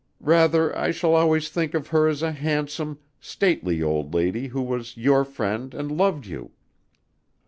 Rather I shall always think of her as a handsome, stately old lady who was your friend and loved you."